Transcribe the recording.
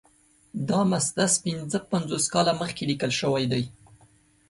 دا مسدس پنځه پنځوس کاله مخکې لیکل شوی دی.